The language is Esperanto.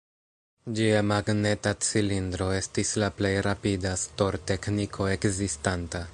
Ĝia magneta cilindro estis la plej rapida stor-tekniko ekzistanta.